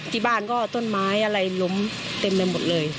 ที่บ้านก็ต้นไม้อะไรล้มเต็มไปหมดเลย